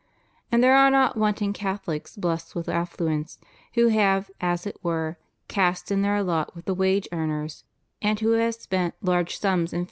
And there are not wanting Catholics blessed with affluence, who have, as it were, cast in their lot with the wage earners, and who have spent large sums in CONDITION OF THE WORKING CLASSES.